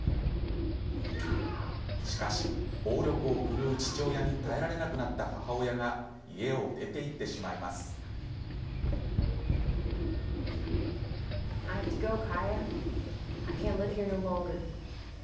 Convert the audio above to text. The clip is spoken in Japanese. しかし、暴力を振るう父親に耐えられなくなった母親が家を出て行ってしまいます。